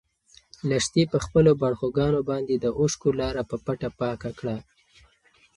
لښتې په خپلو باړخوګانو باندې د اوښکو لاره په پټه پاکه کړه.